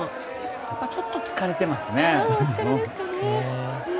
やっぱりちょっと疲れてますね。